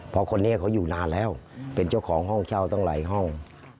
เพราะคนนี้เขาอยู่นานแล้วเป็นเจ้าของห้องเช่าตั้งหลายห้อง